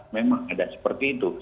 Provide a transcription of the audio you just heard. memang ada seperti itu